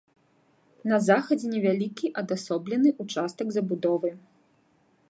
На захадзе невялікі адасоблены ўчастак забудовы.